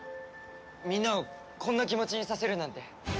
みんなをこんな気持ちにさせるなんて。